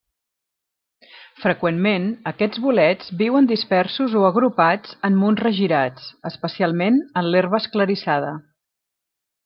Freqüentment, aquests bolets viuen dispersos o agrupats en munts regirats, especialment en l'herba esclarissada.